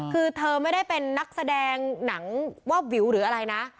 คือเธอไม่ได้เป็นนักแสดงหนังวาบวิวหรืออะไรนะ